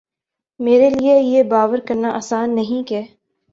میرے لیے یہ باور کرنا آسان نہیں کہ